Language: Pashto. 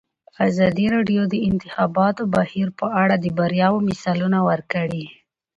ازادي راډیو د د انتخاباتو بهیر په اړه د بریاوو مثالونه ورکړي.